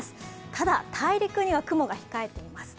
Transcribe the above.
ただ、大陸には雲が控えています。